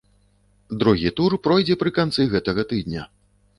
Другі тур пройдзе пры канцы гэтага тыдня.